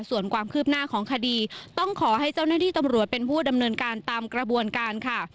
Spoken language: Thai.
ส่วนความคืบหน้าของคดีต้องขอให้เจ้าหน้าที่ตำรวจเป็นผู้ดำเนินการตามกระบวนการค่ะ